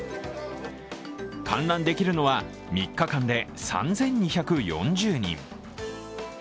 観覧できるのは、３日間で３２４０人。